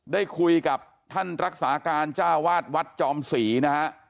ได้คุยกับท่านรักษาการจ้าวาดวัดจอมศรีนะฮะ